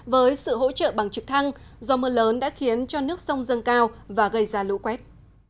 với sự hỗ trợ bằng trực thăng do mưa lớn đã khiến cho nước sông dâng cao và gây ra lũ quét